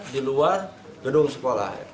di luar gedung sekolah